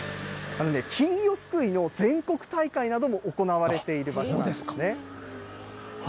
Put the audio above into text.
金魚すくいの全国大会なども行われている場所なんですね。